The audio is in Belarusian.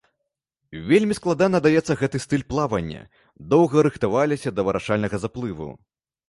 Вельмі складана даецца гэты стыль плавання, доўга рыхтаваліся да вырашальнага заплыву.